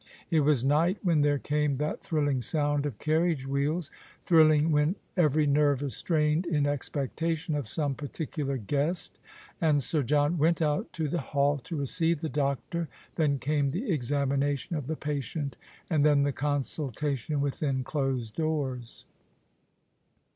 It was night when there came that thrilling sound of carriage wheels — thrilling when every nerve is strained in expectation of some particular guest — and Sir John went out to the hall to receive the doctor. Then came the examination of the patient, and then the consultation within closed doors.